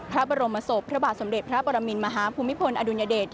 พระบรมศพพระบาทสมเด็จพระปรมินมหาภูมิพลอดุลยเดช